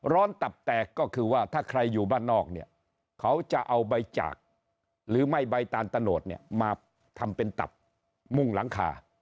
ตับแตกก็คือว่าถ้าใครอยู่บ้านนอกเนี่ยเขาจะเอาใบจากหรือไม่ใบตาลตะโนดเนี่ยมาทำเป็นตับมุ่งหลังคา